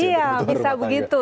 iya bisa begitu